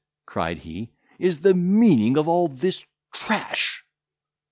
cried he, "is the meaning of all this trash!"